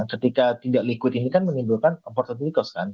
ketika tidak liquid ini kan menimbulkan opportunity cost kan